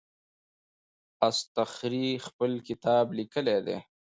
اصطخري خپل کتاب لیکلی دی.